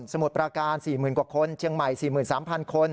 มุดประการ๔๐๐๐กว่าคนเชียงใหม่๔๓๐๐คน